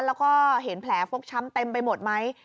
แล้วก็เห็นแผลฟกช้ำเต็มไปหมดไหม